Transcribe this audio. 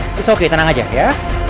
it's okay tenang aja ya